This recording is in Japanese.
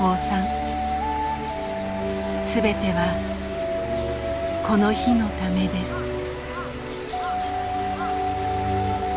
全てはこの日のためです。